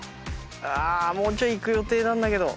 あっもうちょい行く予定なんだけど。